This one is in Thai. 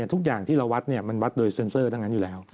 ทุกอย่างที่เราวัดมันวัดโดยเซ็นเซอร์ทั้งนั้นอยู่แล้ว